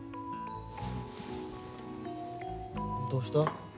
どうした？